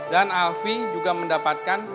dan alfi juga mendapatkan